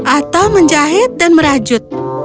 atau menjahit dan merajut